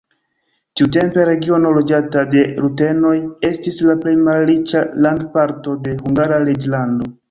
Tiutempe regiono loĝata de rutenoj estis la plej malriĉa landparto de Hungara reĝlando.